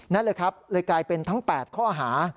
นั่นแหละครับเลยกลายเป็นทั้ง๘ข้อหา